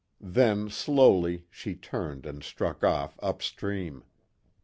Then, slowly, she turned and struck off up stream.